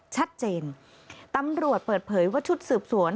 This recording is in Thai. ชัดเจนตำรวจเปิดเผยว่าชุดสืบสวน